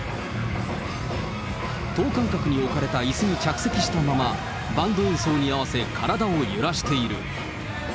等間隔に置かれたいすに着席したまま、バンド演奏に合わせ体を揺らしている。